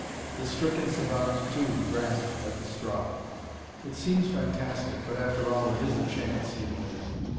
The stricken savant, too, grasped at the straw. "It seems fantastic, but after all it is a chance," he admitted.